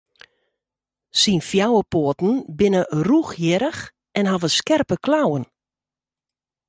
Syn fjouwer poaten binne rûchhierrich en hawwe skerpe klauwen.